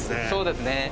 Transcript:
そうですね。